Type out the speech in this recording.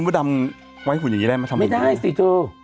แล้วคุณดำไว้หุ่นอย่างงี้แหละมาทำไมกันแหละไม่ได้สิคือ